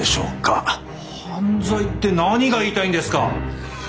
犯罪って何が言いたいんですか！？